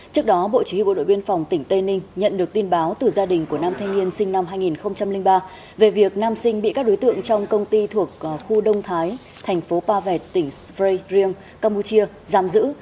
trước đó bộ chỉ huy bộ đội biên phòng tỉnh tây ninh nhận được tin báo từ gia đình của nam thanh niên sinh năm hai nghìn ba về việc nam sinh bị các đối tượng trong công ty thuộc khu đông thái thành phố pa vẹt tỉnh sprey riêng campuchia giam giữ